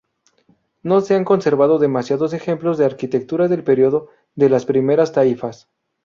No se han conservado demasiados ejemplos de arquitectura del periodo de las primeras taifas.